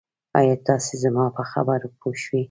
آیا تاسي زما په خبرو پوه شوي